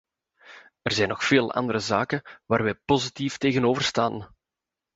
Er zijn nog vele andere zaken waar wij positief tegenover staan.